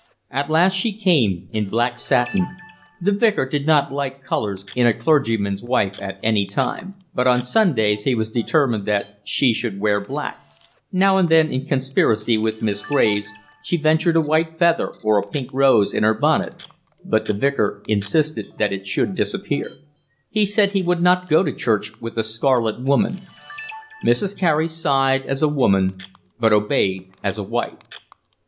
At last she came, in black satin; the Vicar did not like colours in a clergyman's wife at any time, but on Sundays he was determined that she should wear black; now and then, in conspiracy with Miss Graves, she ventured a white feather or a pink rose in her bonnet, but the Vicar insisted that it should disappear; he said he would not go to church with the scarlet woman: Mrs. Carey sighed as a woman but obeyed as a wife.